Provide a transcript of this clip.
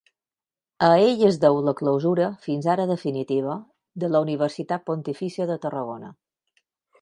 A ell es deu la clausura, fins ara definitiva, de la Universitat Pontifícia de Tarragona.